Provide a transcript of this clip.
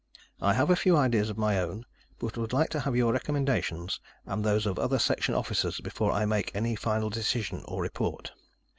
I have a few ideas of my own, but would like to have your recommendations and those of other section officers before I make any final decision or report.